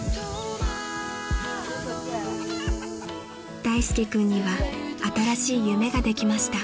［大介君には新しい夢ができました］